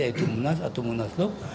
yaitu munas atau munaslup